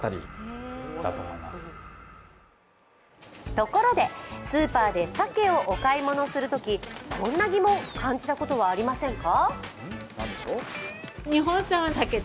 ところで、スーパーで鮭をお買い物するときこんな疑問、感じたことはありませんか？